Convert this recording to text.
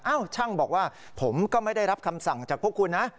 ช่างบอกว่าผมก็ไม่ได้รับคำสั่งจากพวกคุณนะ